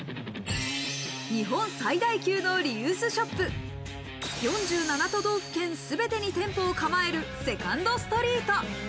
日本最大級のリユースショップ、４７都道府県、全てに店舗を構えるセカンドストリート。